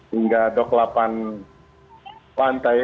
hingga dok delapan pantai